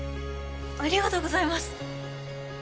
ありがとうございます。